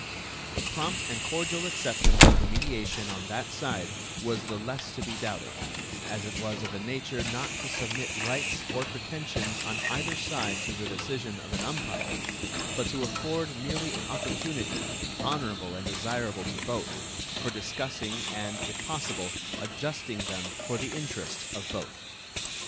A prompt and cordial acceptance of the mediation on that side was the less to be doubted, as it was of a nature not to submit rights or pretensions on either side to the decision of an umpire, but to afford merely an opportunity, honorable and desirable to both, for discussing and, if possible, adjusting them for the interest of both.